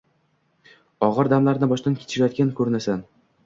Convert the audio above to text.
Og‘ir damlarni boshdan kechirayotgan ko‘rinasan.